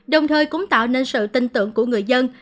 đồng thời cũng tạo nên sự tin tưởng của người dân